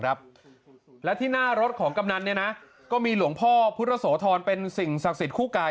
รับและที่หน้ารสของกำนัเอียนะก็มีโหล่องพ่อพุทธสวทธลเป็นสิ่งศักดิ์สิทธิ์